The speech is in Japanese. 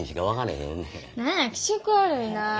何や気色悪いなあ。